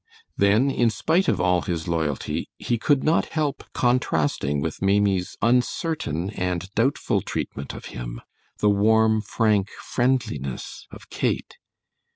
Then, in spite of all his loyalty, he could not help contrasting with Maimie's uncertain and doubtful treatment of him, the warm, frank friendliness of Kate.